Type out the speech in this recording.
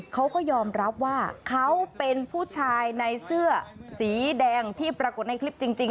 เขาก็ยอมรับว่าเขาเป็นผู้ชายในเสื้อสีแดงที่ปรากฏในคลิปจริง